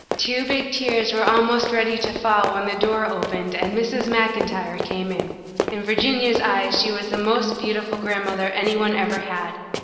Two big tears were almost ready to fall when the door opened and Mrs. MacIntyre came in. In Virginia's eyes she was the most beautiful grandmother any one ever had.